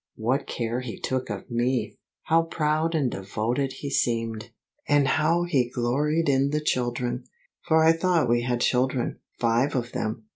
What care he took of me! How proud and devoted he seemed! And how he gloried in the children! For I thought we had children, five of them!